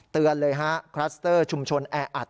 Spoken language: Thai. เตือนเลยฮะคลัสเตอร์ชุมชนแออัด